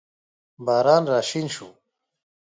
باران راشین شو